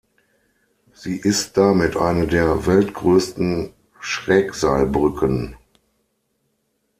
Sie ist damit eine der weltgrößten Schrägseilbrücken.